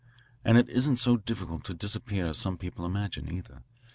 And it isn't so difficult to disappear as some people imagine, either.